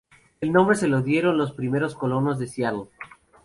El nombre se lo dieron los primeros colonos de Seattle.